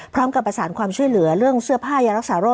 พร้อมกับประสานความช่วยเหลือเรื่องเสื้อผ้ายารักษาโรค